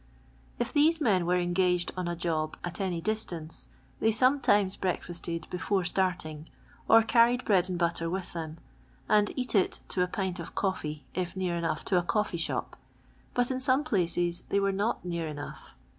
If these men were engaged on a job at any distance, they sometimes breakfasted before start ing, or carried bread and butter with them, and eat it to a pint of coffee if near enough to a coffee shop, but in some places they were not near enough.